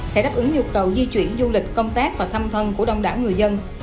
sẽ đáp ứng nhu cầu di chuyển du lịch công tác và thăm thân của đông đảo người dân